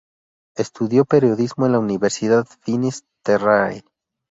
Estudió periodismo en la Universidad Finis Terrae.